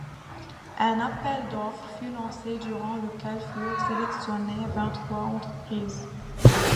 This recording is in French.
Un appel d'offres fut lancé durant lequel furent sélectionnées vingt-trois entreprises.